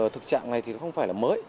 thực trạng này thì không phải là mới